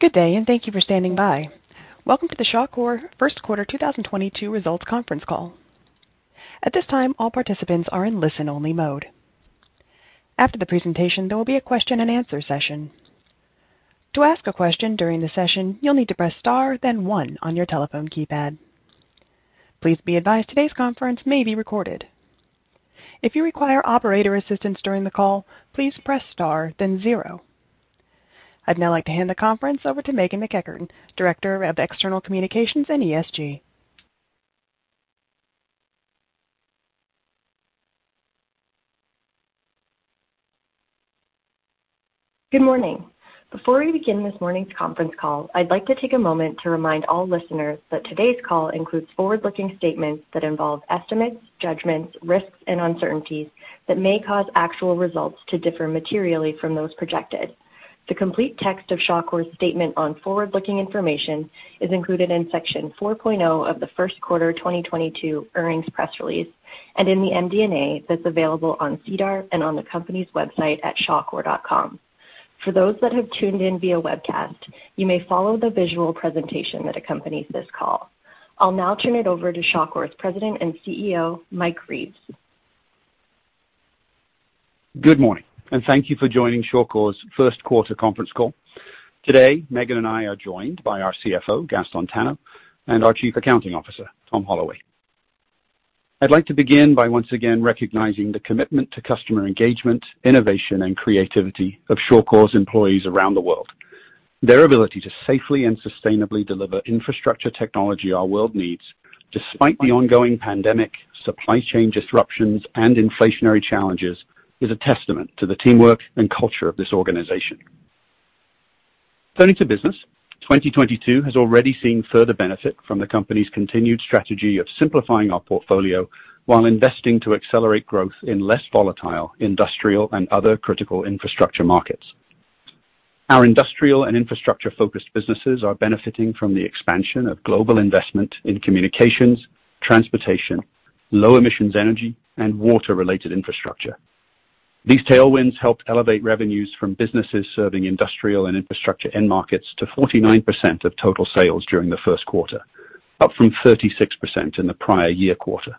Good day, and thank you for standing by. Welcome to the Shawcor first quarter 2022 results conference call. At this time, all participants are in listen-only mode. After the presentation, there will be a question and answer session. To ask a question during the session, you'll need to press star, then one on your telephone keypad. Please be advised today's conference may be recorded. If you require operator assistance during the call, please press star then zero. I'd now like to hand the conference over to Meghan MacEachern, Director of External Communications and ESG. Good morning. Before we begin this morning's conference call, I'd like to take a moment to remind all listeners that today's call includes forward-looking statements that involve estimates, judgments, risks and uncertainties that may cause actual results to differ materially from those projected. The complete text of Shawcor statement on forward-looking information is included in Section 4.0 of the Q1 2022 earnings press release and in the MD&A that's available on SEDAR and on the company's website at shawcor.com. For those that have tuned in via webcast, you may follow the visual presentation that accompanies this call. I'll now turn it over to Shawcor's President and CEO, Mike Reeves. Good morning, and thank you for joining Shawcor's first quarter conference call. Today, Megan and I are joined by our CFO, Gaston Tano, and our Chief Accounting Officer, Tom Holloway. I'd like to begin by once again recognizing the commitment to customer engagement, innovation and creativity of Shawcor's employees around the world. Their ability to safely and sustainably deliver infrastructure technology our world needs, despite the ongoing pandemic, supply chain disruptions and inflationary challenges, is a testament to the teamwork and culture of this organization. Turning to business, 2022 has already seen further benefit from the company's continued strategy of simplifying our portfolio while investing to accelerate growth in less volatile industrial and other critical infrastructure markets. Our industrial and infrastructure-focused businesses are benefiting from the expansion of global investment in communications, transportation, low emissions energy and water-related infrastructure. These tailwinds helped elevate revenues from businesses serving industrial and infrastructure end markets to 49% of total sales during the first quarter, up from 36% in the prior year quarter.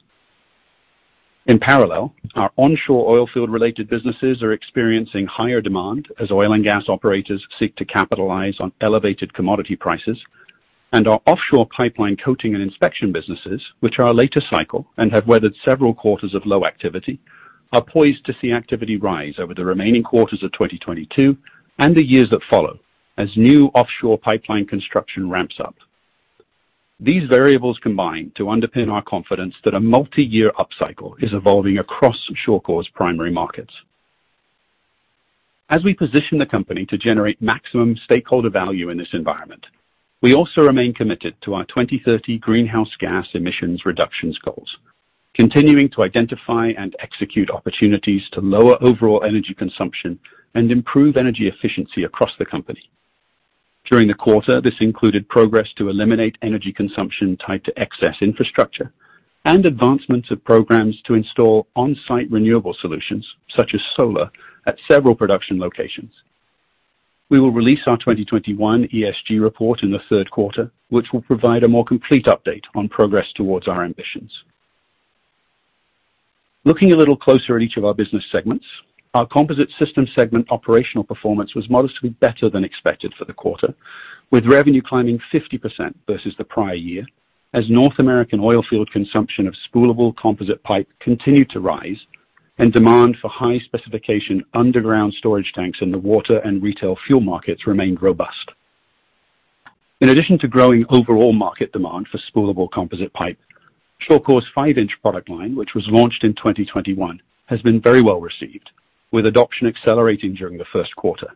In parallel, our onshore oil field-related businesses are experiencing higher demand as oil and gas operators seek to capitalize on elevated commodity prices, and our offshore pipeline coating and inspection businesses, which are later cycle and have weathered several quarters of low activity, are poised to see activity rise over the remaining quarters of 2022 and the years that follow as new offshore pipeline construction ramps up. These variables combine to underpin our confidence that a multi-year upcycle is evolving across Shawcor's primary markets. As we position the company to generate maximum stakeholder value in this environment, we also remain committed to our 2030 greenhouse gas emissions reductions goals, continuing to identify and execute opportunities to lower overall energy consumption and improve energy efficiency across the company. During the quarter, this included progress to eliminate energy consumption tied to excess infrastructure and advancements of programs to install on-site renewable solutions, such as solar, at several production locations. We will release our 2021 ESG report in the third quarter, which will provide a more complete update on progress towards our ambitions. Looking a little closer at each of our business segments, our Composite Systems segment operational performance was modestly better than expected for the quarter, with revenue climbing 50% versus the prior year as North American oil field consumption of spoolable composite pipe continued to rise and demand for high specification underground storage tanks in the water and retail fuel markets remained robust. In addition to growing overall market demand for spoolable composite pipe, Shawcor's 5-inch product line, which was launched in 2021, has been very well received, with adoption accelerating during the first quarter.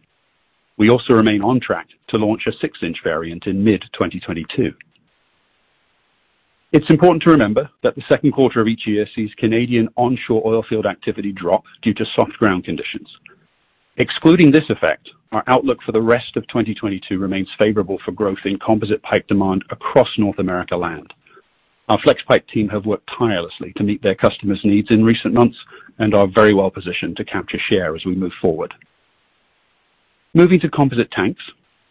We also remain on track to launch a 6-inch variant in mid-2022. It's important to remember that the second quarter of each year sees Canadian onshore oil field activity drop due to soft ground conditions. Excluding this effect, our outlook for the rest of 2022 remains favorable for growth in composite pipe demand across North America land. Our Flexpipe team have worked tirelessly to meet their customers' needs in recent months and are very well positioned to capture share as we move forward. Moving to composite tanks,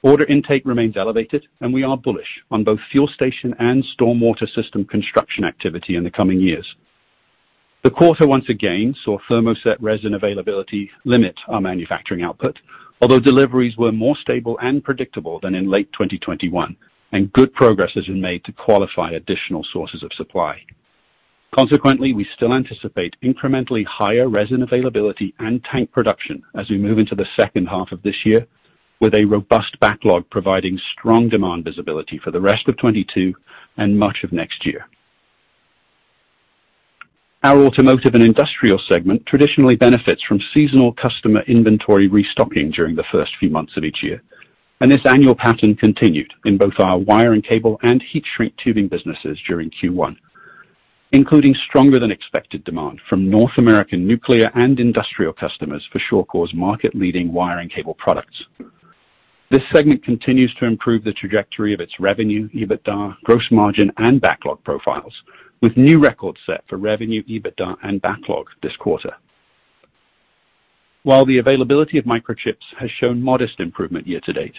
order intake remains elevated and we are bullish on both fuel station and stormwater system construction activity in the coming years. The quarter once again saw thermoset resin availability limit our manufacturing output, although deliveries were more stable and predictable than in late 2021, and good progress has been made to qualify additional sources of supply. Consequently, we still anticipate incrementally higher resin availability and tank production as we move into the second half of this year, with a robust backlog providing strong demand visibility for the rest of 2022 and much of next year. Our Automotive and Industrial segment traditionally benefits from seasonal customer inventory restocking during the first few months of each year, and this annual pattern continued in both our wire and cable and heat shrink tubing businesses during Q1, including stronger than expected demand from North American nuclear and industrial customers for Shawcor's market-leading wire and cable products. This segment continues to improve the trajectory of its revenue, EBITDA, gross margin, and backlog profiles, with new records set for revenue, EBITDA, and backlog this quarter. While the availability of microchips has shown modest improvement year-to-date,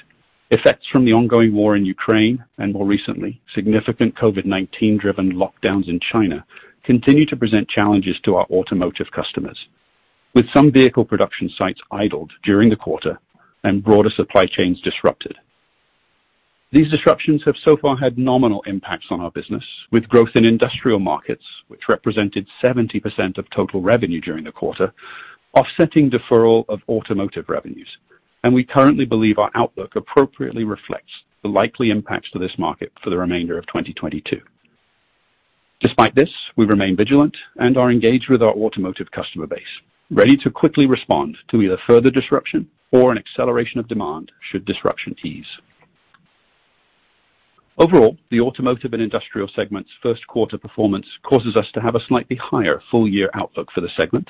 effects from the ongoing war in Ukraine and more recently, significant COVID-19 driven lockdowns in China continue to present challenges to our automotive customers, with some vehicle production sites idled during the quarter and broader supply chains disrupted. These disruptions have so far had nominal impacts on our business, with growth in industrial markets, which represented 70% of total revenue during the quarter, offsetting deferral of automotive revenues. We currently believe our outlook appropriately reflects the likely impacts to this market for the remainder of 2022. Despite this, we remain vigilant and are engaged with our automotive customer base, ready to quickly respond to either further disruption or an acceleration of demand should disruption ease. Overall, the automotive and industrial segment's first quarter performance causes us to have a slightly higher full-year outlook for the segment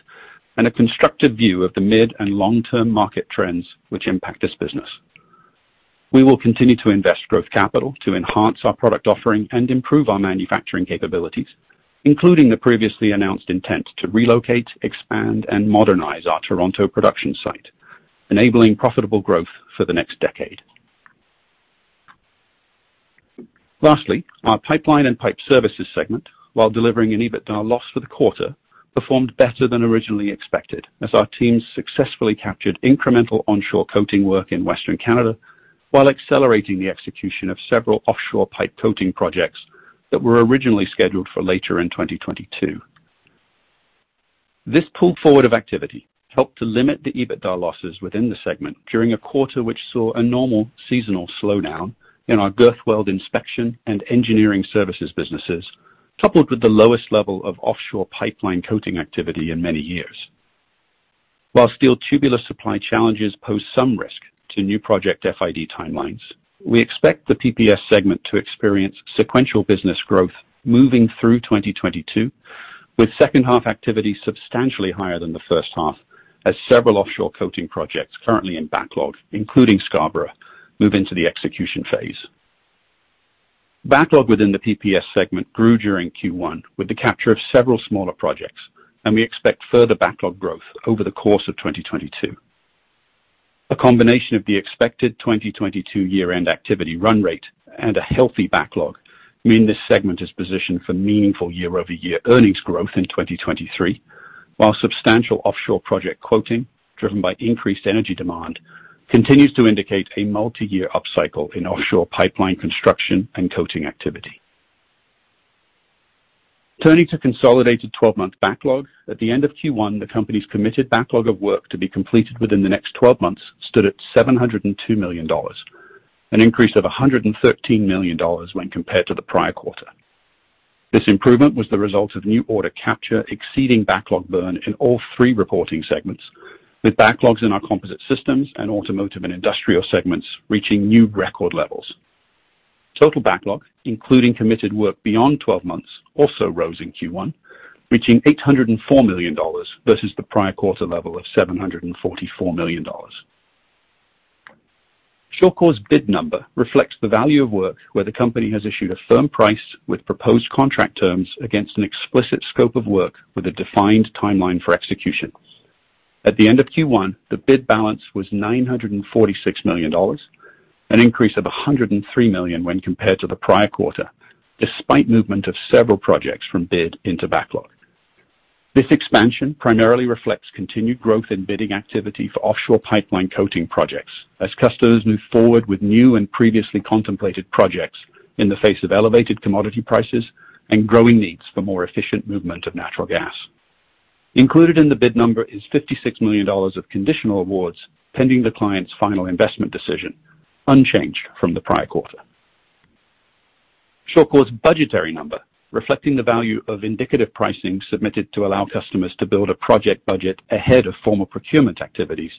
and a constructive view of the mid and long-term market trends which impact this business. We will continue to invest growth capital to enhance our product offering and improve our manufacturing capabilities, including the previously announced intent to relocate, expand, and modernize our Toronto production site, enabling profitable growth for the next decade. Lastly, our Pipeline and Pipe Services segment, while delivering an EBITDA loss for the quarter, performed better than originally expected as our teams successfully captured incremental onshore coating work in Western Canada while accelerating the execution of several offshore pipe coating projects that were originally scheduled for later in 2022. This pull forward of activity helped to limit the EBITDA losses within the segment during a quarter which saw a normal seasonal slowdown in our girth weld inspection and engineering services businesses, coupled with the lowest level of offshore pipeline coating activity in many years. While steel tubular supply challenges pose some risk to new project FID timelines, we expect the PPS segment to experience sequential business growth moving through 2022, with second half activity substantially higher than the first half as several offshore coating projects currently in backlog, including Scarborough, move into the execution phase. Backlog within the PPS segment grew during Q1 with the capture of several smaller projects, and we expect further backlog growth over the course of 2022. A combination of the expected 2022 year-end activity run-rate and a healthy backlog mean this segment is positioned for meaningful year-over-year earnings growth in 2023, while substantial offshore project quoting driven by increased energy demand continues to indicate a multi-year upcycle in offshore pipeline construction and coating activity. Turning to consolidated 12-month backlog, at the end of Q1, the company's committed backlog of work to be completed within the next 12 months stood at 702 million dollars, an increase of 113 million dollars when compared to the prior quarter. This improvement was the result of new order capture exceeding backlog burn in all three reporting segments, with backlogs in our Composite Systems and Automotive and Industrial segments reaching new record levels. Total backlog, including committed work beyond 12 months, also rose in Q1, reaching 804 million dollars versus the prior quarter level of 744 million dollars. Shawcor's bid number reflects the value of work where the company has issued a firm price with proposed contract terms against an explicit scope of work with a defined timeline for execution. At the end of Q1, the bid balance was 946 million dollars, an increase of 103 million when compared to the prior quarter, despite movement of several projects from bid into backlog. This expansion primarily reflects continued growth in bidding activity for offshore pipeline coating projects as customers move forward with new and previously contemplated projects in the face of elevated commodity prices and growing needs for more efficient movement of natural gas. Included in the bid number is 56 million dollars of conditional awards pending the client's final investment decision, unchanged from the prior quarter. Shawcor's budgetary number, reflecting the value of indicative pricing submitted to allow customers to build a project budget ahead of formal procurement activities,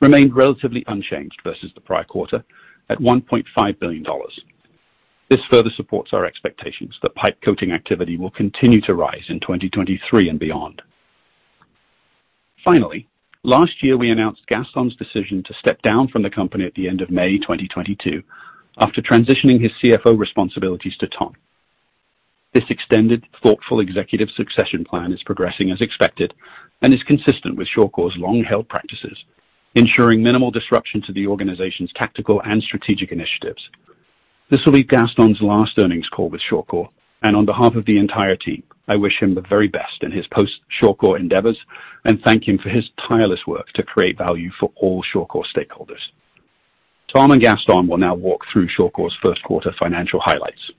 remained relatively unchanged versus the prior quarter at 1.5 billion dollars. This further supports our expectations that pipe coating activity will continue to rise in 2023 and beyond. Finally, last year, we announced Gaston's decision to step down from the company at the end of May 2022 after transitioning his CFO responsibilities to Tom. This extended thoughtful executive succession plan is progressing as expected and is consistent with Shawcor's long-held practices, ensuring minimal disruption to the organization's tactical and strategic initiatives. This will be Gaston's last earnings call with Shawcor, and on behalf of the entirety, I wish him the very best in his post-Shawcor endeavors and thank him for his tireless work to create value for all Shawcor stakeholders. Tom and Gaston will now walk through Shawcor's first quarter financial highlights.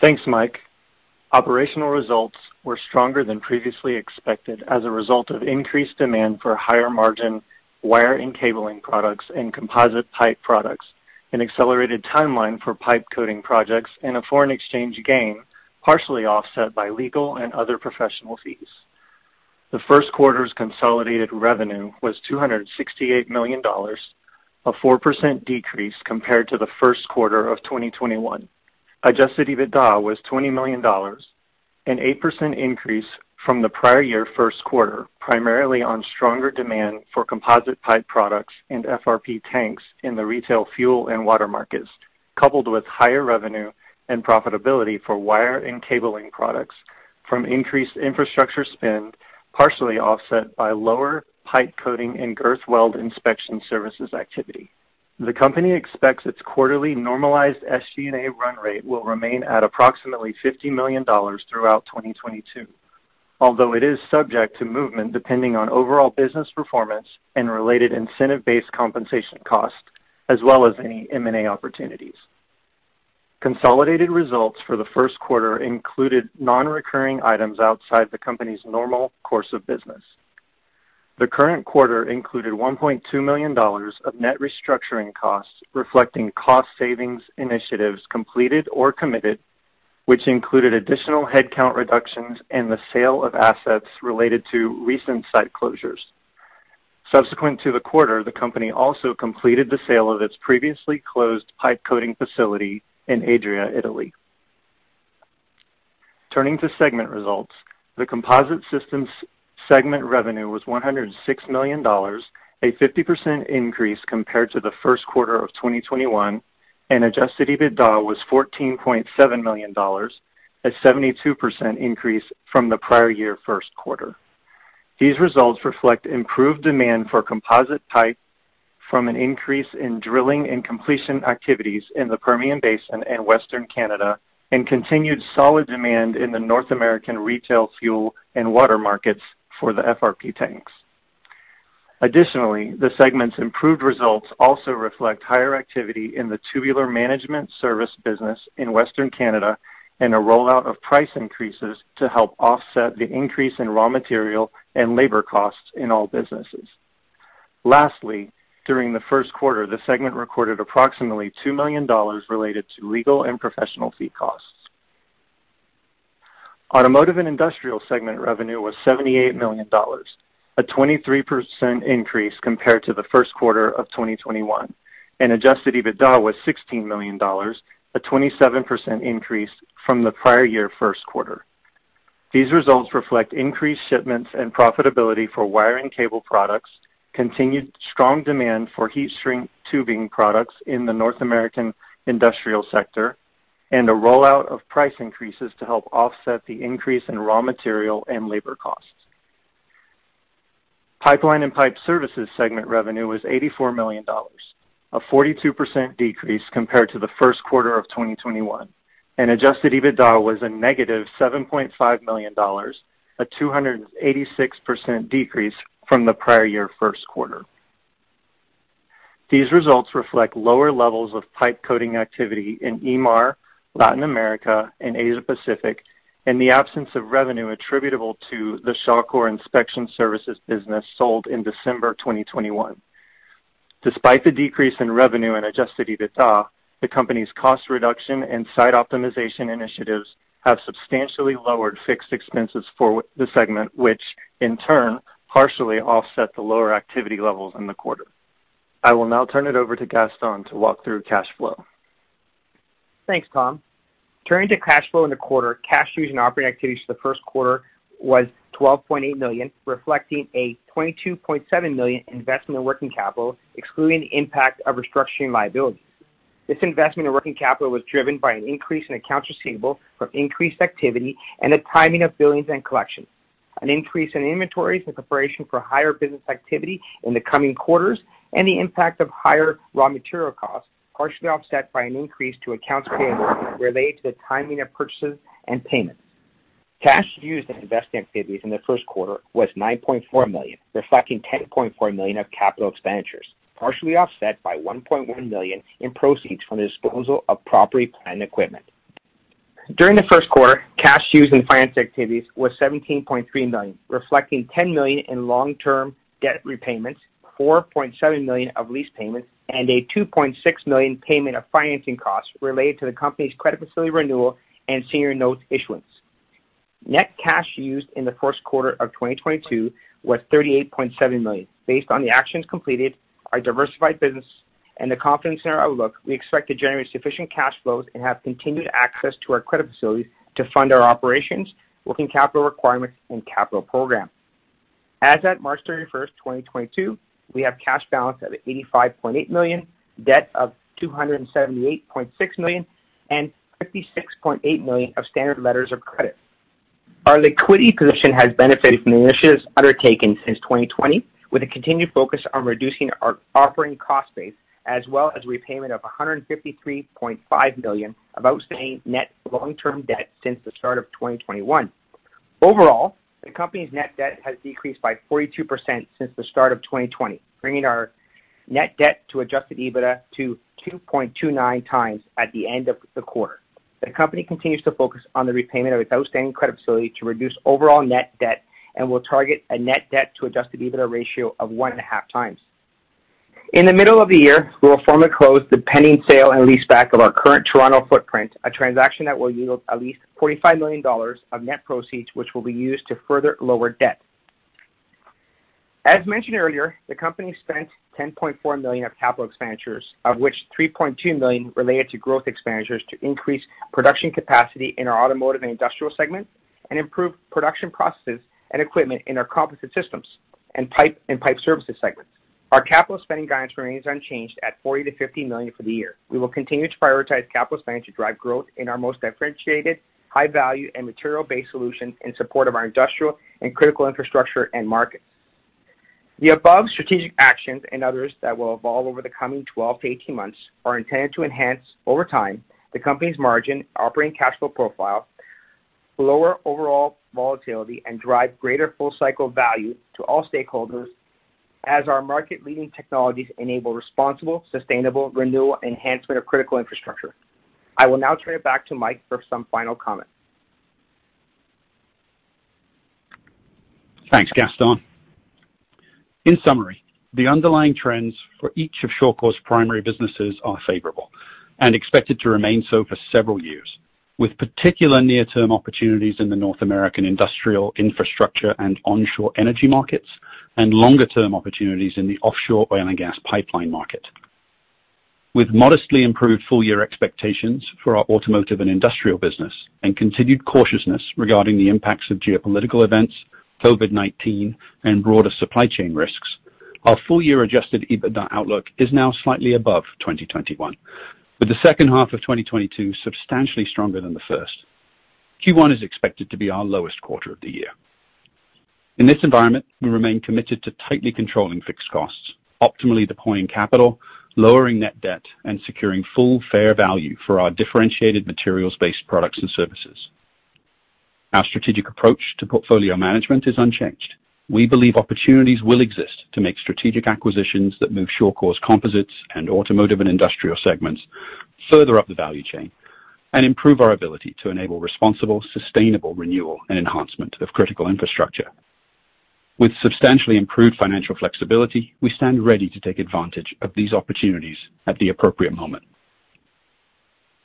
Thanks, Mike. Operational results were stronger than previously expected as a result of increased demand for higher margin wire and cable products and composite pipe products, an accelerated timeline for pipe coating projects, and a foreign exchange gain, partially offset by legal and other professional fees. The first quarter's consolidated revenue was 268 million dollars, a 4% decrease compared to the first quarter of 2021. Adjusted EBITDA was 20 million dollars, an 8% increase from the prior year first quarter, primarily on stronger demand for composite pipe products and FRP tanks in the retail fuel and water markets. Coupled with higher revenue and profitability for wire and cable products from increased infrastructure spend, partially offset by lower pipe coating and girth weld inspection services activity. The company expects its quarterly normalized SG&A run-rate will remain at approximately 50 million dollars throughout 2022. Although it is subject to movement depending on overall business performance and related incentive-based compensation costs, as well as any M&A opportunities. Consolidated results for the first quarter included non-recurring items outside the company's normal course of business. The current quarter included 1.2 million dollars of net restructuring costs, reflecting cost savings initiatives completed or committed, which included additional headcount reductions and the sale of assets related to recent site closures. Subsequent to the quarter, the company also completed the sale of its previously closed pipe coating facility in Adria, Italy. Turning to segment results, the Composite Systems segment revenue was 106 million dollars, a 50% increase compared to the first quarter of 2021, and Adjusted EBITDA was 14.7 million dollars, a 72% increase from the prior year first quarter. These results reflect improved demand for composite pipe from an increase in drilling and completion activities in the Permian Basin and Western Canada, and continued solid demand in the North American retail fuel and water markets for the FRP tanks. Additionally, the segment's improved results also reflect higher activity in the tubular management service business in Western Canada, and a rollout of price increases to help offset the increase in raw material and labor costs in all businesses. Lastly, during the first quarter, the segment recorded approximately 2 million dollars related to legal and professional fee costs. Automotive and Industrial segment revenue was 78 million dollars, a 23% increase compared to the first quarter of 2021, and Adjusted EBITDA was 16 million dollars, a 27% increase from the prior year first quarter. These results reflect increased shipments and profitability for wire and cable products, continued strong demand for heat shrink tubing products in the North American industrial sector, and a rollout of price increases to help offset the increase in raw material and labor costs. Pipeline and Pipe Services segment revenue was 84 million dollars, a 42% decrease compared to the first quarter of 2021, and Adjusted EBITDA was a -7.5 million dollars, a 286% decrease from the prior year first quarter. These results reflect lower levels of pipe coating activity in EMAR, Latin America, and Asia Pacific, and the absence of revenue attributable to the Shawcor Inspection Services business sold in December 2021. Despite the decrease in revenue and Adjusted EBITDA, the company's cost reduction and site optimization initiatives have substantially lowered fixed expenses for the segment, which in turn partially offset the lower activity levels in the quarter. I will now turn it over to Gaston to walk through cash flow. Thanks, Tom. Turning to cash flow in the quarter, cash used in operating activities for the first quarter was 12.8 million, reflecting a 22.7 million investment in working capital, excluding the impact of restructuring liabilities. This investment in working capital was driven by an increase in accounts receivable from increased activity and the timing of billings and collections, an increase in inventories in preparation for higher business activity in the coming quarters, and the impact of higher raw material costs, partially offset by an increase to accounts payable related to the timing of purchases and payments. Cash used in investing activities in the first quarter was 9.4 million, reflecting 10.4 million of capital expenditures, partially offset by 1.1 million in proceeds from the disposal of property, plant, and equipment. During the first quarter, cash used in financing activities was CAD 17.3 million, reflecting CAD 10 million in long-term debt repayments, CAD 4.7 million of lease payments, and a CAD 2.6 million payment of financing costs related to the company's credit facility renewal and senior note issuance. Net cash used in the first quarter of 2022 was 38.7 million. Based on the actions completed, our diversified business, and the confidence in our outlook, we expect to generate sufficient cash flows and have continued access to our credit facility to fund our operations, working capital requirements, and capital program. As at March 31st 2022, we have cash balance of 85.8 million, debt of 278.6 million, and 56.8 million of standard letters of credit. Our liquidity position has benefited from the initiatives undertaken since 2020, with a continued focus on reducing our operating cost base, as well as repayment of 153.5 million of outstanding net long-term debt since the start of 2021. Overall, the company's net-debt has decreased by 42% since the start of 2020, bringing our net-debt-to Adjusted EBITDA to 2.29x at the end of the quarter. The company continues to focus on the repayment of its outstanding credit facility to reduce overall net debt and will target a net-debt-to Adjusted EBITDA ratio of 1.5x. In the middle of the year, we will formally close the pending sale and leaseback of our current Toronto footprint, a transaction that will yield at least 45 million dollars of net proceeds, which will be used to further lower debt. As mentioned earlier, the company spent 10.4 million of capital expenditures, of which 3.2 million related to growth expenditures to increase production capacity in our Automotive and Industrial segment and improve production processes and equipment in our Composite Systems and Pipeline and Pipe Services segments. Our capital spending guidance remains unchanged at 40 million-50 million for the year. We will continue to prioritize capital spending to drive growth in our most differentiated high value and material-based solutions in support of our industrial and critical infrastructure and markets. The above strategic actions and others that will evolve over the coming 12-18 months are intended to enhance over time the company's margin operating cash flow profile, lower overall volatility, and drive greater full cycle value to all stakeholders as our market-leading technologies enable responsible, sustainable renewal enhancement of critical infrastructure. I will now turn it back to Mike for some final comments. Thanks, Gaston. In summary, the underlying trends for each of Shawcor's primary businesses are favorable and expected to remain so for several years, with particular near-term opportunities in the North American industrial infrastructure and onshore energy markets, and longer-term opportunities in the offshore oil and gas pipeline market. With modestly improved full year expectations for our Automotive and Industrial business and continued cautiousness regarding the impacts of geopolitical events, COVID-19, and broader supply chain risks, our full year Adjusted EBITDA outlook is now slightly above 2021, with the second half of 2022 substantially stronger than the first. Q1 is expected to be our lowest quarter of the year. In this environment, we remain committed to tightly controlling fixed costs, optimally deploying capital, lowering net debt, and securing full fair value for our differentiated materials-based products and services. Our strategic approach to portfolio management is unchanged. We believe opportunities will exist to make strategic acquisitions that move Shawcor's composites and Automotive and Industrial segments further up the value chain and improve our ability to enable responsible, sustainable renewal and enhancement of critical infrastructure. With substantially improved financial flexibility, we stand ready to take advantage of these opportunities at the appropriate moment.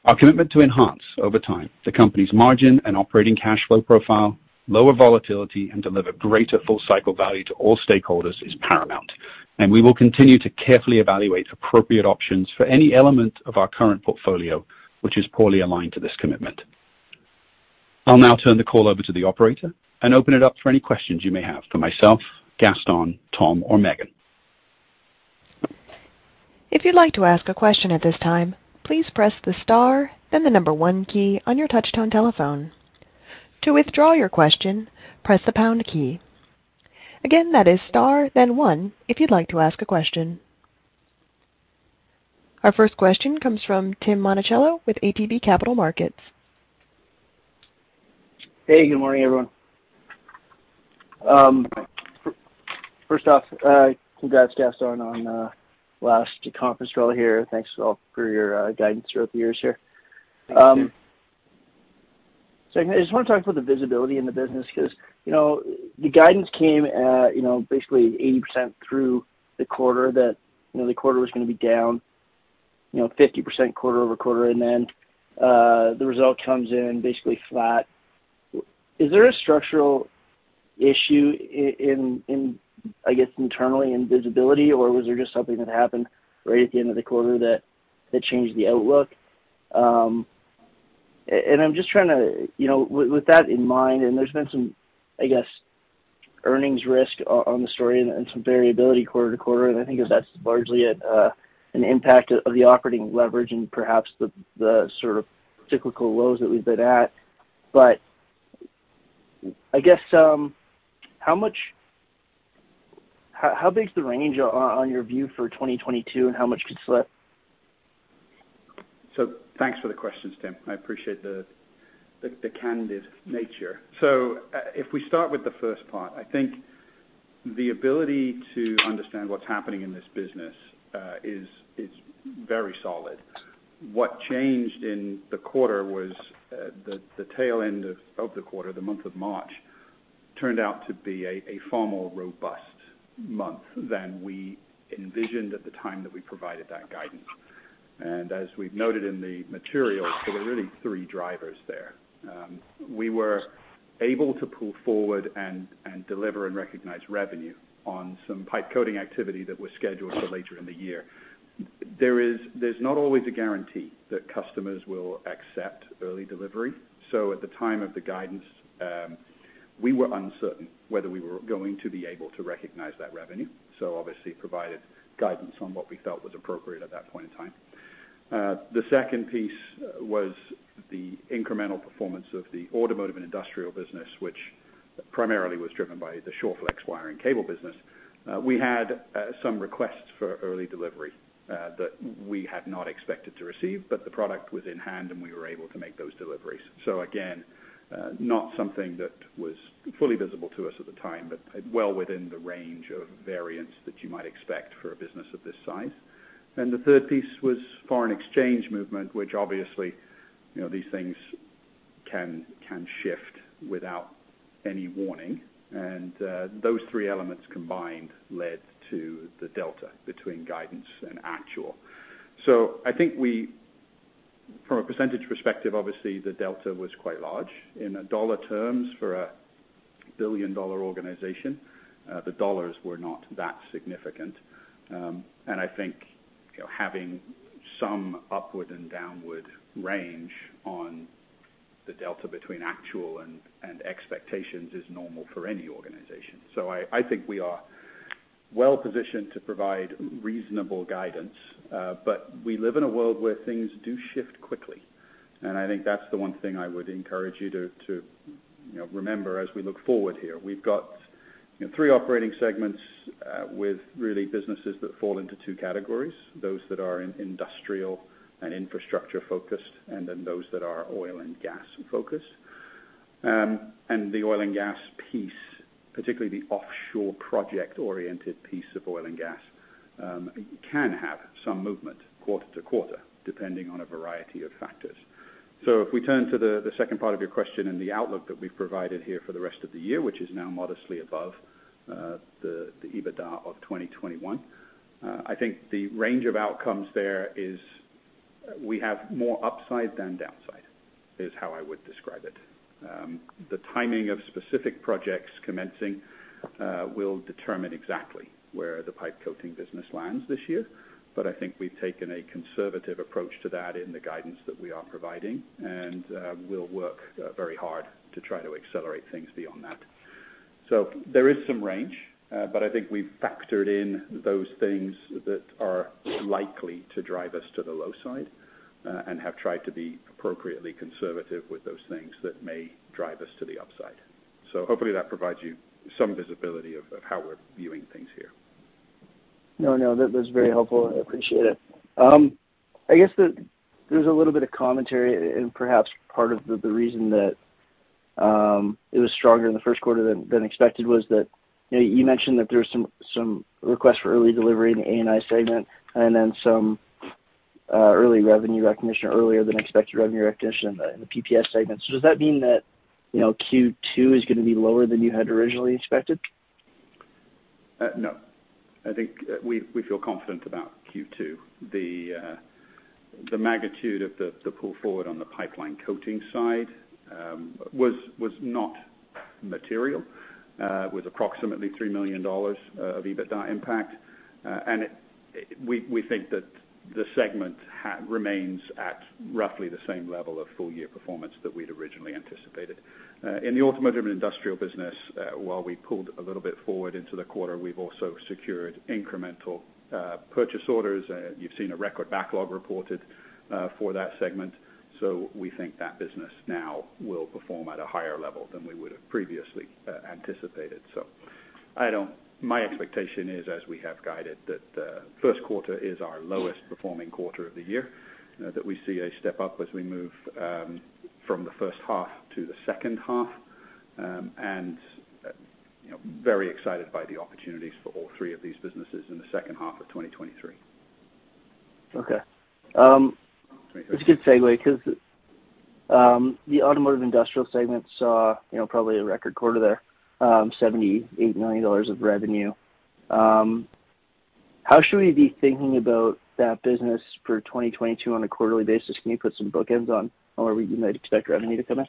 Our commitment to enhance over time the company's margin and operating cash flow profile, lower volatility, and deliver greater full cycle value to all stakeholders is paramount, and we will continue to carefully evaluate appropriate options for any element of our current portfolio, which is poorly aligned to this commitment. I'll now turn the call over to the operator and open it up for any questions you may have for myself, Gaston, Tom, or Megan. If you'd like to ask a question at this time, please press the star, then the number one key on your touchtone telephone. To withdraw your question, press the pound key. Again, that is star then one if you'd like to ask a question. Our first question comes from Tim Monachello with ATB Capital Markets. Hey, good morning, everyone. First off, congrats, Gaston, on last conference call here. Thanks all for your guidance throughout the years here. Thank you, Tim. I just want to talk about the visibility in the business because, you know, the guidance came at, you know, basically 80% through the quarter that, you know, the quarter was going to be down, you know, 50% quarter-over-quarter. Then, the result comes in basically flat. Is there a structural issue in, I guess, internally in visibility, or was there just something that happened right at the end of the quarter that changed the outlook? And I'm just trying to, you know, with that in mind, and there's been some, I guess, earnings risk on the story and some variability quarter to quarter, and I think that's largely at an impact of the operating leverage and perhaps the sort of cyclical lows that we've been at. How big is the range on your view for 2022 and how much could slip? Thanks for the questions, Tim. I appreciate the candid nature. If we start with the first part, I think the ability to understand what's happening in this business is very solid. What changed in the quarter was the tail end of the quarter, the month of March, turned out to be a far more robust month than we envisioned at the time that we provided that guidance. As we've noted in the materials, there were really three drivers there. We were able to pull forward and deliver and recognize revenue on some pipe coating activity that was scheduled for later in the year. There's not always a guarantee that customers will accept early delivery. At the time of the guidance, we were uncertain whether we were going to be able to recognize that revenue. Obviously provided guidance on what we felt was appropriate at that point in time. The second piece was the incremental performance of the automotive and industrial business, which primarily was driven by the Shawflex wire and cable business. We had some requests for early delivery that we had not expected to receive, but the product was in hand, and we were able to make those deliveries. Again, not something that was fully visible to us at the time, but well within the range of variance that you might expect for a business of this size. The third piece was foreign exchange movement, which obviously, you know, these things can shift without any warning. Those three elements combined led to the delta between guidance and actual. I think we from a percentage perspective, obviously, the delta was quite large. In dollar terms for a billion-dollar organization, the dollars were not that significant. I think, you know, having some upward and downward range on the delta between actual and expectations is normal for any organization. I think we are well positioned to provide reasonable guidance, but we live in a world where things do shift quickly. I think that's the one thing I would encourage you to, you know, remember as we look forward here. We've got, you know, three operating segments, with really businesses that fall into two categories, those that are in industrial and infrastructure-focused, and then those that are oil and gas-focused. The oil and gas piece, particularly the offshore project-oriented piece of oil and gas, can have some movement quarter to quarter, depending on a variety of factors. If we turn to the second part of your question and the outlook that we've provided here for the rest of the year, which is now modestly above the EBITDA of 2021, I think the range of outcomes there is we have more upside than downside, is how I would describe it. The timing of specific projects commencing will determine exactly where the pipe coating business lands this year. I think we've taken a conservative approach to that in the guidance that we are providing, and we'll work very hard to try to accelerate things beyond that. There is some range, but I think we've factored in those things that are likely to drive us to the low side, and have tried to be appropriately conservative with those things that may drive us to the upside. Hopefully that provides you some visibility of how we're viewing things here. No, that's very helpful, and I appreciate it. I guess there's a little bit of commentary and perhaps part of the reason that it was stronger in the first quarter than expected was that, you know, you mentioned that there was some requests for early delivery in the A&I segment and then some early revenue recognition earlier than expected revenue recognition in the PPS segment. Does that mean that, you know, Q2 is gonna be lower than you had originally expected? No. I think we feel confident about Q2. The magnitude of the pull forward on the pipeline coating side was not material with approximately 3 million dollars of EBITDA impact. We think that the segment remains at roughly the same level of full year performance that we'd originally anticipated. In the Automotive and Industrial business, while we pulled a little bit forward into the quarter, we've also secured incremental purchase orders. You've seen a record backlog reported for that segment. We think that business now will perform at a higher level than we would have previously anticipated. My expectation is, as we have guided, that the first quarter is our lowest performing quarter of the year, that we see a step up as we move from the first half to the second half, and, you know, very excited by the opportunities for all three of these businesses in the second half of 2023. Okay. It's a good segue because the Automotive and Industrial segment saw, you know, probably a record quarter there, 78 million dollars of revenue. How should we be thinking about that business for 2022 on a quarterly basis? Can you put some bookends on where we might expect revenue to come in?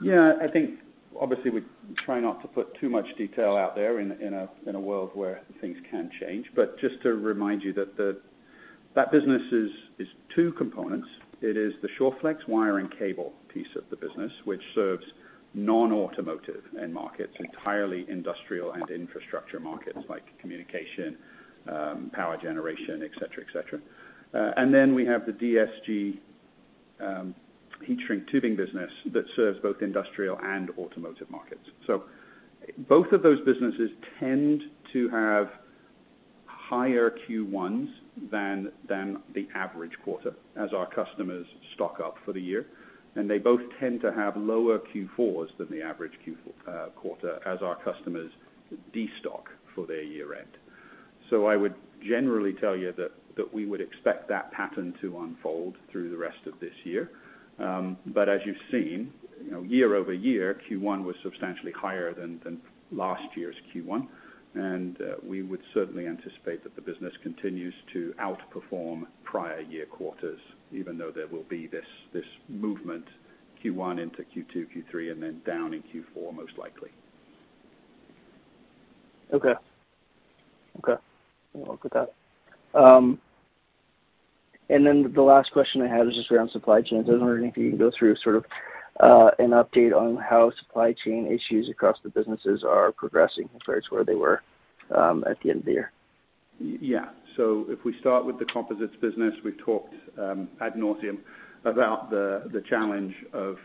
Yeah, I think obviously we try not to put too much detail out there in a world where things can change. Just to remind you that that business is two components. It is the Shawflex wire and cable piece of the business, which serves non-automotive end markets, entirely industrial and infrastructure markets like communication, power generation, et cetera. We have the DSG-Canusa heat shrink tubing business that serves both industrial and automotive markets. Both of those businesses tend to have higher Q1s than the average quarter as our customers stock up for the year, and they both tend to have lower Q4s than the average quarter as our customers destock for their year-end. I would generally tell you that we would expect that pattern to unfold through the rest of this year. As you've seen, you know, year-over-year, Q1 was substantially higher than last year's Q1, and we would certainly anticipate that the business continues to outperform prior year quarters, even though there will be this movement Q1 into Q2, Q3, and then down in Q4, most likely. Okay. I'll look at that. The last question I had is just around supply chains. I was wondering if you can go through sort of an update on how supply chain issues across the businesses are progressing compared to where they were at the end of the year. Yeah. If we start with the composites business, we've talked ad nauseam about the challenge of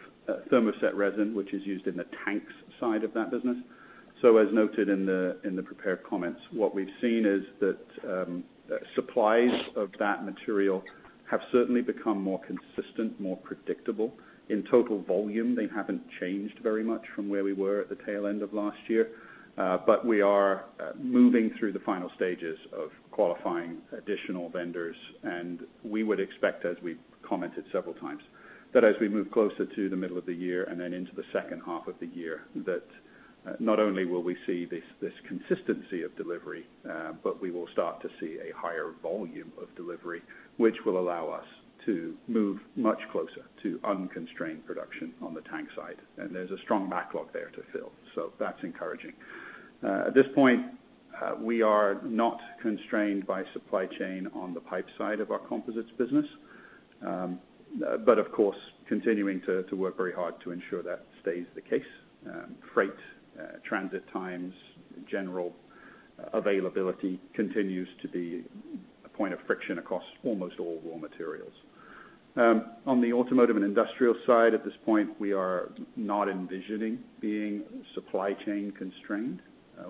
thermoset resin, which is used in the tanks side of that business. As noted in the prepared comments, what we've seen is that supplies of that material have certainly become more consistent, more predictable. In total volume, they haven't changed very much from where we were at the tail end of last year, but we are moving through the final stages of qualifying additional vendors. We would expect, as we've commented several times, that as we move closer to the middle of the year and then into the second half of the year, that not only will we see this consistency of delivery, but we will start to see a higher volume of delivery, which will allow us to move much closer to unconstrained production on the tank side. There's a strong backlog there to fill. That's encouraging. At this point, we are not constrained by supply chain on the pipe side of our composites business. But of course, continuing to work very hard to ensure that stays the case. Freight, transit times, general availability continues to be a point of friction across almost all raw materials. On the Automotive and Industrial side, at this point, we are not envisioning being supply chain constrained.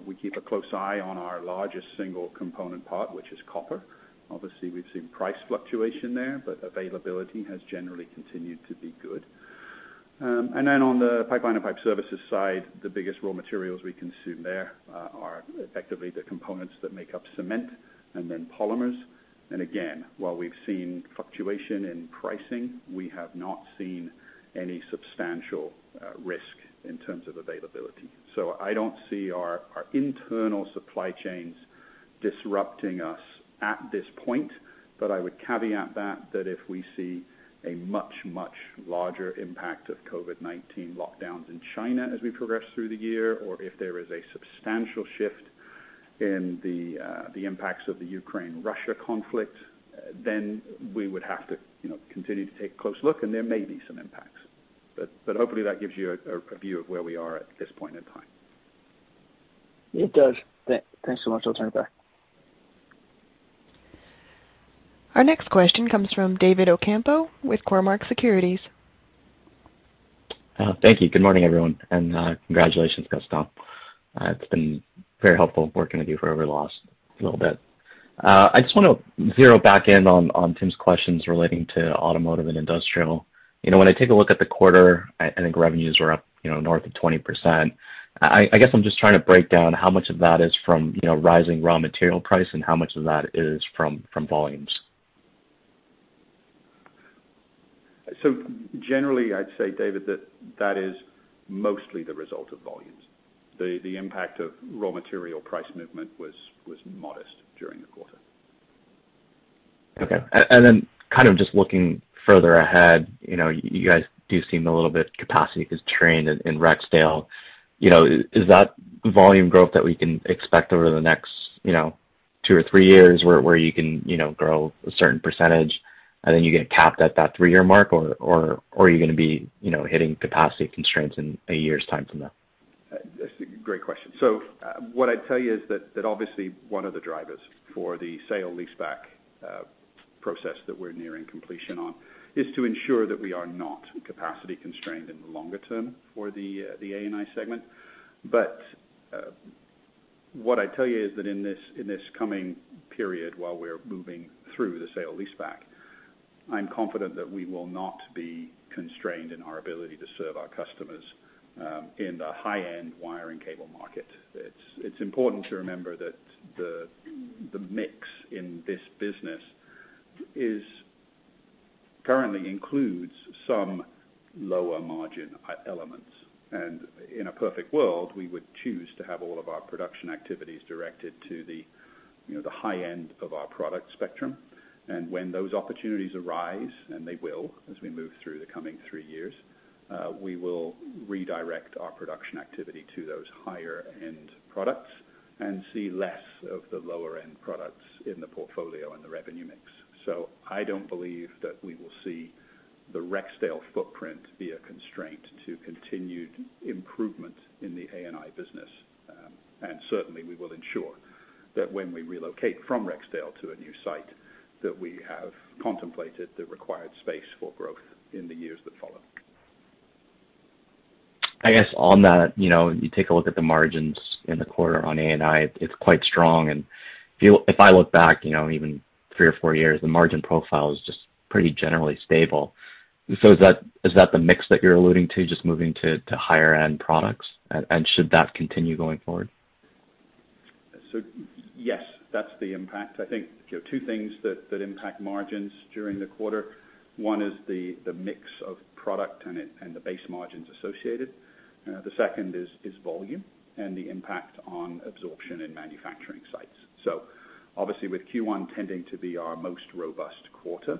We keep a close eye on our largest single component part, which is copper. Obviously, we've seen price fluctuation there, but availability has generally continued to be good. On the Pipeline and Pipe Services side, the biggest raw materials we consume there are effectively the components that make up cement and then polymers. Again, while we've seen fluctuation in pricing, we have not seen any substantial risk in terms of availability. I don't see our internal supply chains disrupting us at this point. I would caveat that if we see a much, much larger impact of COVID-19 lockdowns in China as we progress through the year, or if there is a substantial shift in the impacts of the Ukraine-Russia conflict, then we would have to, you know, continue to take a close look, and there may be some impacts. Hopefully that gives you a view of where we are at this point in time. It does. Thanks so much. I'll turn it back. Our next question comes from David Ocampo with Cormark Securities. Thank you. Good morning, everyone, and congratulations, Gaston. It's been very helpful working with you for over the last little bit. I just wanna zero back in on Tim's questions relating to Automotive and Industrial. You know, when I take a look at the quarter, I think revenues are up, you know, north of 20%. I guess I'm just trying to break down how much of that is from, you know, rising raw material price and how much of that is from volumes. Generally, I'd say, David, that is mostly the result of volumes. The impact of raw material price movement was modest during the quarter. Okay. Then kind of just looking further ahead, you know, you guys do seem a little bit capacity constrained in Rexdale. You know, is that volume growth that we can expect over the next, you know, two or three years where you can, you know, grow a certain percentage, and then you get capped at that three-year mark or are you gonna be, you know, hitting capacity constraints in a year's time from now? That's a great question. What I'd tell you is that obviously one of the drivers for the sale leaseback process that we're nearing completion on is to ensure that we are not capacity constrained in the longer term for the A&I segment. What I'd tell you is that in this coming period, while we're moving through the sale leaseback, I'm confident that we will not be constrained in our ability to serve our customers in the high-end wire and cable market. It's important to remember that the mix in this business is currently includes some lower margin e-elements. In a perfect world, we would choose to have all of our production activities directed to the high end of our product spectrum. When those opportunities arise, and they will, as we move through the coming three years, we will redirect our production activity to those higher end products and see less of the lower end products in the portfolio and the revenue mix. I don't believe that we will see the Rexdale footprint be a constraint to continued improvement in the A&I business. Certainly, we will ensure that when we relocate from Rexdale to a new site, that we have contemplated the required space for growth in the years that follow. I guess on that, you know, you take a look at the margins in the quarter on A&I, it's quite strong. If I look back, you know, even three or four years, the margin profile is just pretty generally stable. Is that the mix that you're alluding to, just moving to higher end products? Should that continue going forward? Yes, that's the impact. I think, two things that impact margins during the quarter. One is the mix of product and the base margins associated. The second is volume and the impact on absorption in manufacturing sites. Obviously, with Q1 tending to be our most robust quarter,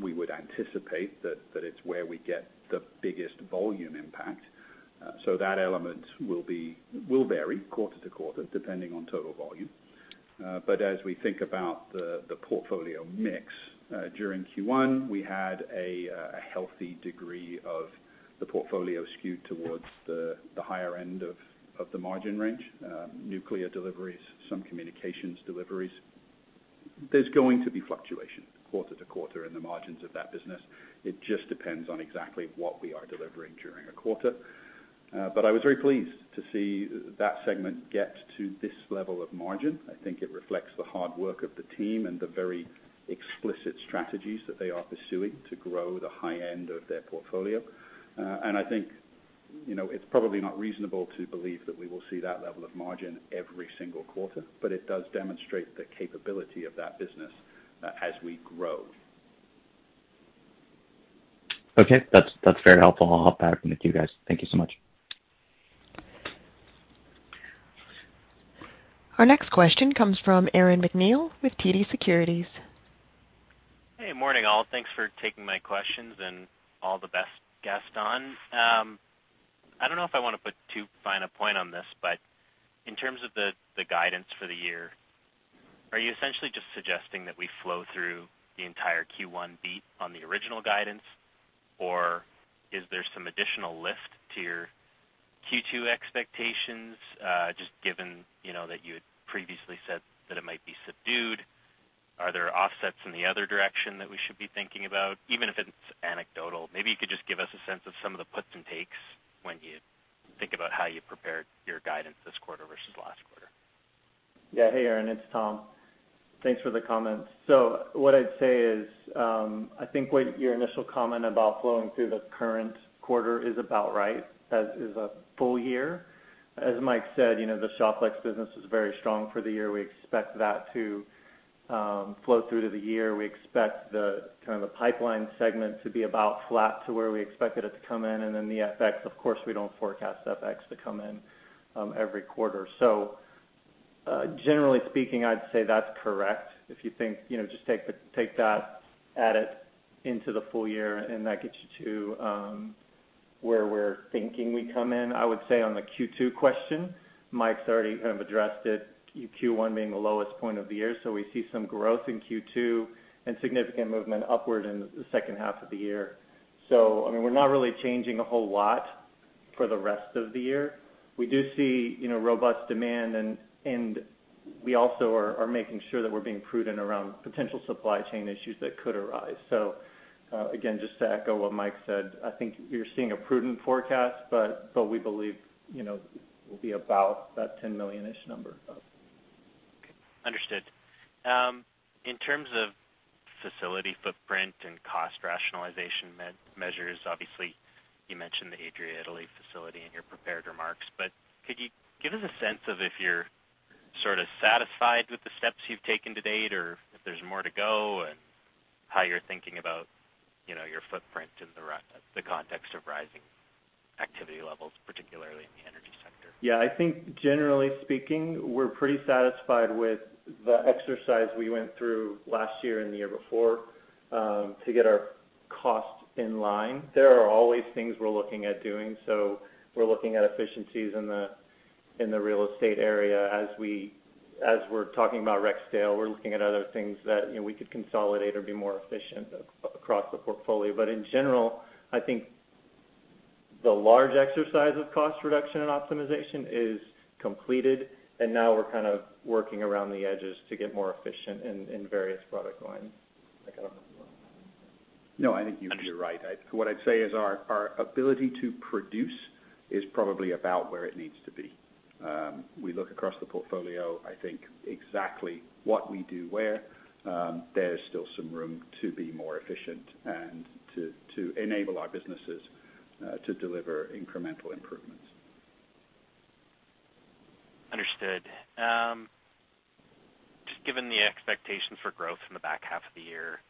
we would anticipate that it's where we get the biggest volume impact. That element will vary quarter to quarter, depending on total volume. But as we think about the portfolio mix, during Q1, we had a healthy degree of the portfolio skewed towards the higher end of the margin range, nuclear deliveries, some communications deliveries. There's going to be fluctuation quarter to quarter in the margins of that business. It just depends on exactly what we are delivering during a quarter. I was very pleased to see that segment get to this level of margin. I think it reflects the hard work of the team and the very explicit strategies that they are pursuing to grow the high end of their portfolio. I think, you know, it's probably not reasonable to believe that we will see that level of margin every single quarter, but it does demonstrate the capability of that business, as we grow. Okay. That's very helpful. I'll hop back with you guys. Thank you so much. Our next question comes from Aaron MacNeil with TD Securities. Hey, morning, all. Thanks for taking my questions and all the best, Gaston. I don't know if I wanna put too fine a point on this, but in terms of the guidance for the year, are you essentially just suggesting that we flow through the entire Q1 beat on the original guidance, or is there some additional lift to your Q2 expectations, just given, you know, that you had previously said that it might be subdued? Are there offsets in the other direction that we should be thinking about, even if it's anecdotal? Maybe you could just give us a sense of some of the puts and takes when you think about how you prepared your guidance this quarter versus last quarter. Yeah. Hey, Aaron. It's Tom. Thanks for the comments. What I'd say is, I think what your initial comment about flowing through the current quarter is about right, as is a full year. As Mike said, you know, the Shawflex business is very strong for the year. We expect that to flow through to the year. We expect the kind of the pipeline segment to be about flat to where we expected it to come in, and then the FX, of course, we don't forecast FX to come in every quarter. Generally speaking, I'd say that's correct. If you think, you know, just take that, add it into the full year, and that gets you to where we're thinking we come in. I would say on the Q2 question, Mike's already kind of addressed it, Q1 being the lowest point of the year, so we see some growth in Q2 and significant movement upward in the second half of the year. I mean, we're not really changing a whole lot for the rest of the year. We do see, you know, robust demand and we also are making sure that we're being prudent around potential supply chain issues that could arise. Again, just to echo what Mike said, I think you're seeing a prudent forecast, but we believe, you know, we'll be about that 10 million-ish number. Okay. Understood. In terms of facility footprint and cost rationalization measures, obviously you mentioned the Adria, Italy facility in your prepared remarks, but could you give us a sense of if you're sort of satisfied with the steps you've taken to date, or if there's more to go, and how you're thinking about, you know, your footprint in the context of rising activity levels, particularly in the energy sector? Yeah. I think generally speaking, we're pretty satisfied with the exercise we went through last year and the year before to get our costs in line. There are always things we're looking at doing, so we're looking at efficiencies in the real estate area. As we're talking about Rexdale, we're looking at other things that you know we could consolidate or be more efficient across the portfolio. But in general, I think the large exercise of cost reduction and optimization is completed, and now we're kind of working around the edges to get more efficient in various product lines. Mike, I don't know if you wanna add anything. No, I think you're right. What I'd say is our ability to produce is probably about where it needs to be. We look across the portfolio. I think exactly what we do where there's still some room to be more efficient and to enable our businesses to deliver incremental improvements. Understood. Just given the expectations for growth in the back half of the year,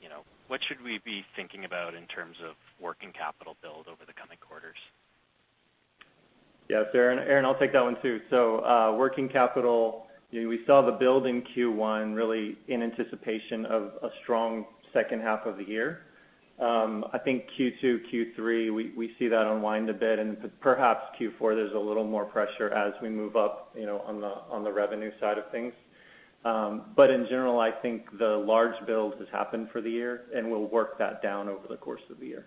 you know, what should we be thinking about in terms of working capital build over the coming quarters? Yes. Aaron, I'll take that one too. Working capital, you know, we saw the build in Q1 really in anticipation of a strong second half of the year. I think Q2, Q3, we see that unwind a bit, and perhaps Q4 there's a little more pressure as we move up, you know, on the revenue side of things. In general, I think the large build has happened for the year, and we'll work that down over the course of the year.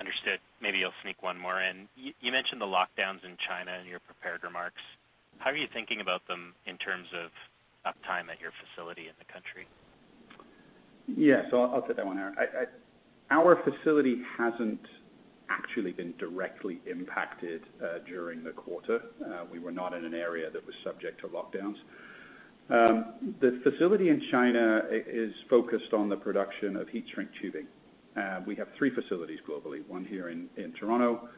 Understood. Maybe I'll sneak one more in. You mentioned the lockdowns in China in your prepared remarks. How are you thinking about them in terms of uptime at your facility in the country? I'll take that one, Aaron. Our facility hasn't actually been directly impacted during the quarter. We were not in an area that was subject to lockdowns. The facility in China is focused on the production of heat shrink tubing. We have three facilities globally, one here in Toronto,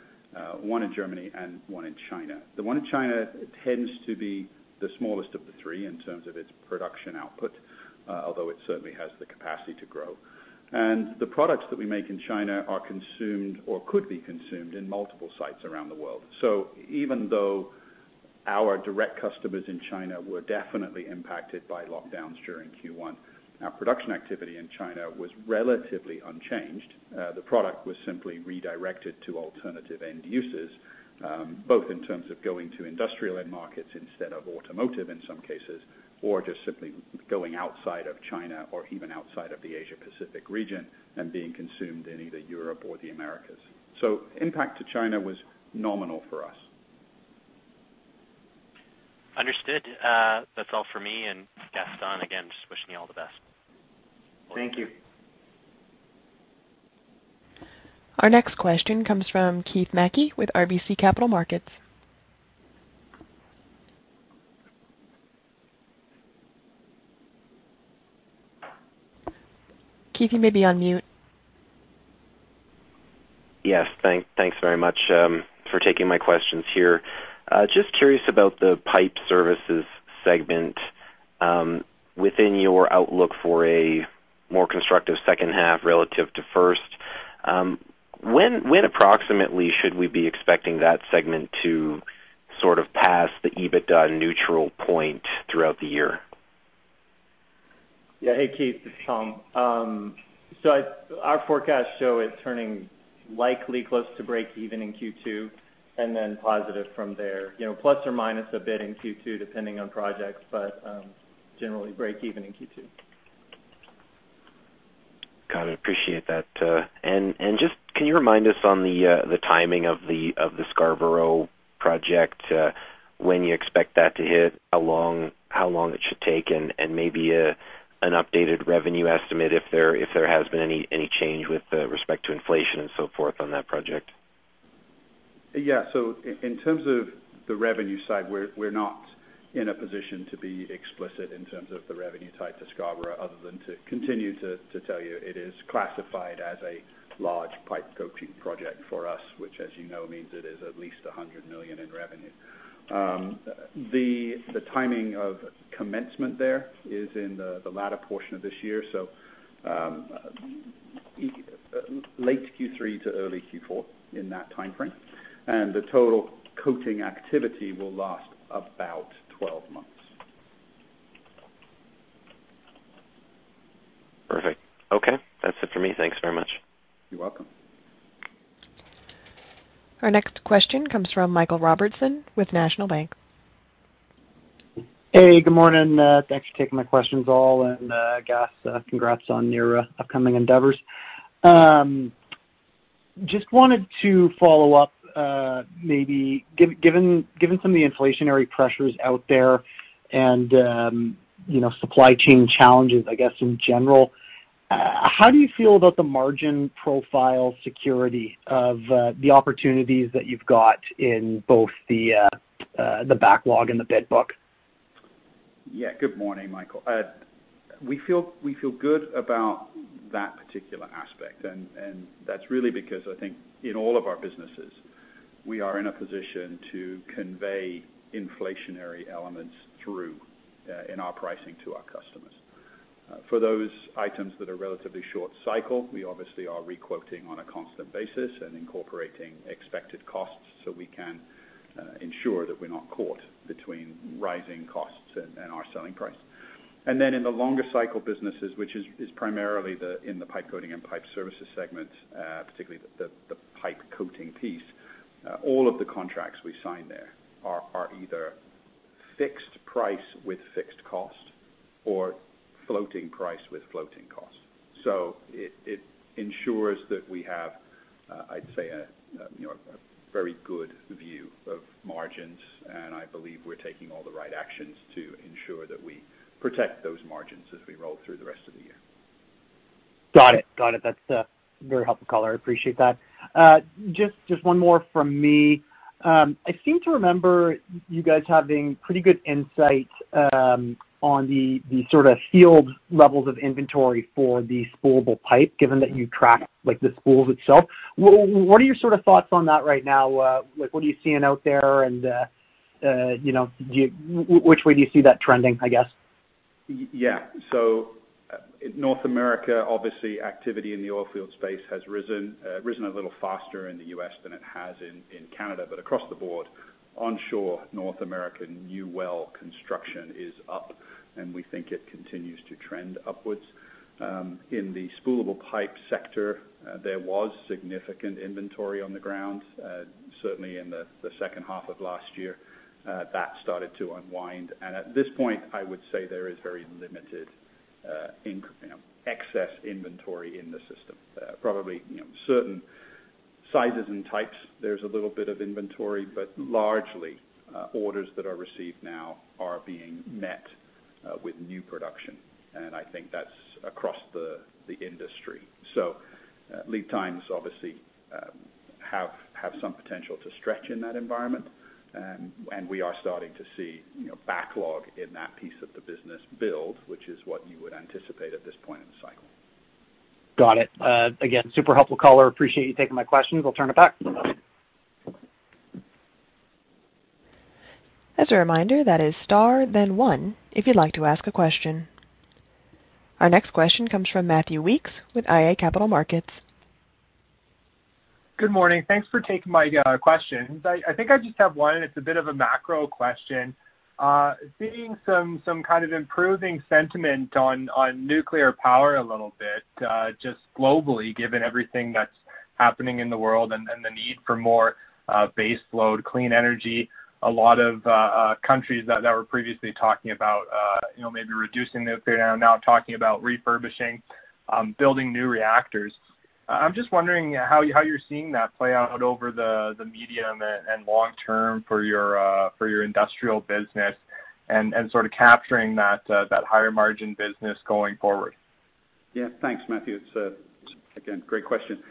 one in Germany, and one in China. The one in China tends to be the smallest of the three in terms of its production output, although it certainly has the capacity to grow. The products that we make in China are consumed or could be consumed in multiple sites around the world. Even though our direct customers in China were definitely impacted by lockdowns during Q1, our production activity in China was relatively unchanged. The product was simply redirected to alternative end uses, both in terms of going to industrial end markets instead of automotive in some cases, or just simply going outside of China or even outside of the Asia Pacific region and being consumed in either Europe or the Americas. Impact to China was nominal for us. Understood. That's all for me, and Gaston, again, just wishing you all the best. Thank you. Our next question comes from Keith Mackey with RBC Capital Markets. Keith, you may be on mute. Yes. Thanks very much for taking my questions here. Just curious about the Pipe Services segment within your outlook for a more constructive second half relative to first. When approximately should we be expecting that segment to sort of pass the EBITDA neutral point throughout the year? Yeah. Hey, Keith, this is Tom. Our forecasts show it's turning likely close to breakeven in Q2 and then positive from there. You know, plus or minus a bit in Q2, depending on projects, but generally breakeven in Q2. Got it. Appreciate that. Just can you remind us on the timing of the Scarborough project, when you expect that to hit, how long it should take and maybe an updated revenue estimate if there has been any change with respect to inflation and so forth on that project? Yeah. In terms of the revenue side, we're not in a position to be explicit in terms of the revenue tied to Scarborough other than to continue to tell you it is classified as a large pipe coating project for us, which as you know means it is at least 100 million in revenue. The timing of commencement there is in the latter portion of this year, late Q3 to early Q4, in that timeframe. The total coating activity will last about 12 months. Perfect. Okay. That's it for me. Thanks very much. You're welcome. Our next question comes from Michael Robertson with National Bank. Hey, good morning. Thanks for taking my questions, all, and Gaston, congrats on your upcoming endeavors. Just wanted to follow up, maybe given some of the inflationary pressures out there and you know, supply chain challenges, I guess, in general, how do you feel about the margin profile security of the opportunities that you've got in both the backlog and the bid book? Yeah. Good morning, Michael. We feel good about that particular aspect, and that's really because I think in all of our businesses, we are in a position to convey inflationary elements through in our pricing to our customers. For those items that are relatively short cycle, we obviously are re-quoting on a constant basis and incorporating expected costs so we can ensure that we're not caught between rising costs and our selling price. In the longer cycle businesses, which is primarily in the pipe coating and Pipe Services segments, particularly the pipe coating piece, all of the contracts we sign there are either fixed price with fixed cost or floating price with floating cost. It ensures that we have, I'd say, you know, a very good view of margins, and I believe we're taking all the right actions to ensure that we protect those margins as we roll through the rest of the year. Got it. That's a very helpful color. I appreciate that. Just one more from me. I seem to remember you guys having pretty good insight on the sort of field levels of inventory for the spoolable pipe, given that you track like the spools itself. What are your sort of thoughts on that right now? Like what are you seeing out there? You know, which way do you see that trending, I guess? North America, obviously, activity in the oil field space has risen a little faster in the U.S. than it has in Canada. Across the board, onshore North American new well construction is up, and we think it continues to trend upwards. In the spoolable pipe sector, there was significant inventory on the ground, certainly in the second half of last year, that started to unwind. At this point, I would say there is very limited, you know, excess inventory in the system. Probably, you know, certain sizes and types, there's a little bit of inventory, but largely, orders that are received now are being met with new production. I think that's across the industry. Lead times obviously have some potential to stretch in that environment. We are starting to see, you know, backlog in that piece of the business build, which is what you would anticipate at this point in the cycle. Got it. Again, super helpful color. Appreciate you taking my questions. I'll turn it back. As a reminder, that is star then one if you'd like to ask a question. Our next question comes from Matthew Weekes with iA Capital Markets. Good morning. Thanks for taking my questions. I think I just have one, and it's a bit of a macro question. Seeing some kind of improving sentiment on nuclear power a little bit, just globally, given everything that's happening in the world and the need for more base load clean energy. A lot of countries that were previously talking about, you know, maybe reducing their fair share are now talking about refurbishing, building new reactors. I'm just wondering how you're seeing that play out over the medium and long term for your industrial business and sort of capturing that higher margin business going forward. Yeah. Thanks, Matthew. It's again great question.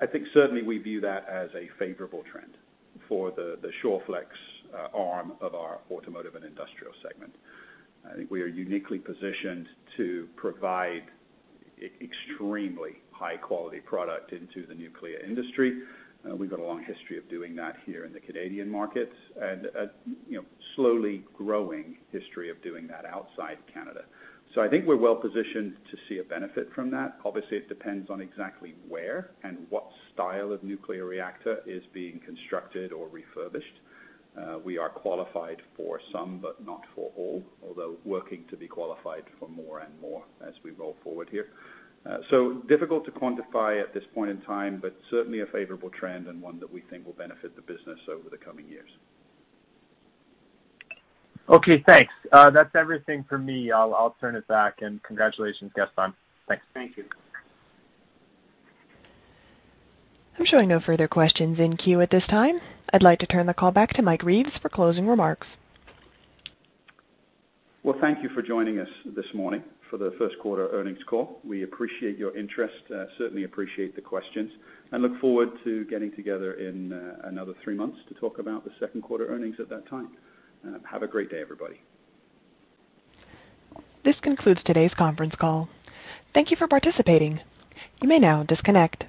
I think certainly we view that as a favorable trend for the Shawflex arm of our Automotive and Industrial segment. I think we are uniquely positioned to provide extremely high quality product into the nuclear industry. We've got a long history of doing that here in the Canadian markets and you know slowly growing history of doing that outside Canada. I think we're well positioned to see a benefit from that. Obviously, it depends on exactly where and what style of nuclear reactor is being constructed or refurbished. We are qualified for some, but not for all, although working to be qualified for more and more as we roll forward here. Difficult to quantify at this point in time, but certainly a favorable trend and one that we think will benefit the business over the coming years. Okay, thanks. That's everything for me. I'll turn it back, and congratulations, Gaston. Thanks. Thank you. I'm showing no further questions in queue at this time. I'd like to turn the call back to Mike Reeves for closing remarks. Well, thank you for joining us this morning for the first quarter earnings call. We appreciate your interest, certainly appreciate the questions, and look forward to getting together in another three months to talk about the second quarter earnings at that time. Have a great day, everybody. This concludes today's conference call. Thank you for participating. You may now disconnect.